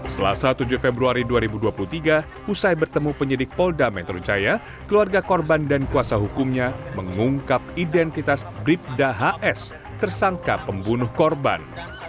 selasa tujuh februari dua ribu dua puluh tiga usai bertemu penyidik polda metro jaya keluarga korban dan kuasa hukumnya mengungkap identitas bribda hs tersangka pembunuh korban